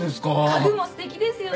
家具もすてきですよね。